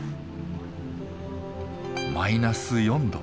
マイナス４℃。